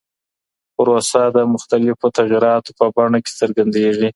پروسه د مختلفو تغيراتو په بڼه کي څرګندېږي.